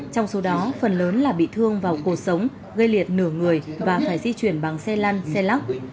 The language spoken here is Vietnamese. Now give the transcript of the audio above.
trong số đó phần lớn là bị thương vào cuộc sống gây liệt nửa người và phải di chuyển bằng xe lăn xe lắc